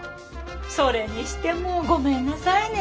それにしてもごめんなさいね。